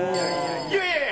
いやいやいや